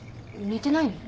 寝てないの？